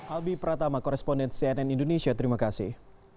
albi pratama koresponden cnn indonesia terima kasih